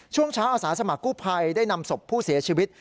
ช่วงเช้าอาสาสมัครกู้ภัยได้นำศพผู้เสียชีวิต